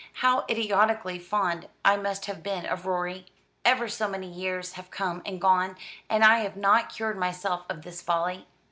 How idiotically fond I must have been of Rorie. Ever so many years have come and gone, and I have not cured myself of this folly.